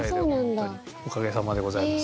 おかげさまでございます。